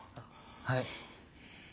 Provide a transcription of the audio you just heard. はい。